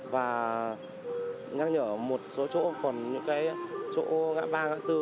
và nhắc nhở một số chỗ còn những cái chỗ ngã ba ngã tư